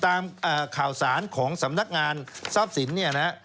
ตามข่าวสารของสำนักงานทรัพย์สินเนี่ยนะฮะ